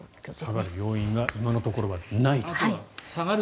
下がる要因が今のところはないという。